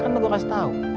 kan lo gue kasih tau